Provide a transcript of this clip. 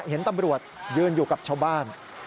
เห็นตำรวจยืนอยู่กับชาวบ้าน